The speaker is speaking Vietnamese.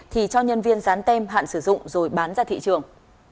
thì cho nhân viên dán tem hạn sử dụng rồi bán ra thị trường